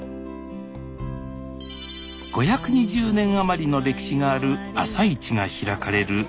５２０年余りの歴史がある「朝市」が開かれる町です